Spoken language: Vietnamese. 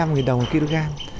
ba năm nghìn đồng một kg